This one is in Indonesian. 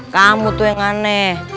kamu itu yang aneh